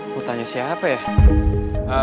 gue tanya siapa ya